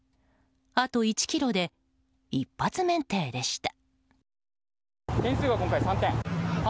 あと１キロで一発免停でした。